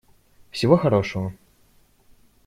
Всего хорошего.